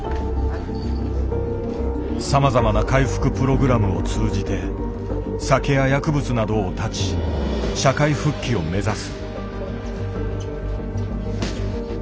さまざまな回復プログラムを通じて酒や薬物などを断ち社会復帰を目指す。